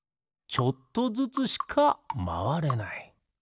ちょっとずつしかまわれない。